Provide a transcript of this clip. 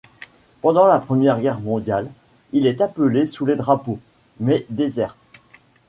Pendant la Première Guerre mondiale, il est appelé sous les drapeaux, mais déserte.